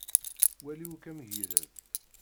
Wali akk amgired.